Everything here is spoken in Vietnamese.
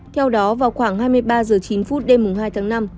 theo đó vào khoảng hai mươi ba h chín mươi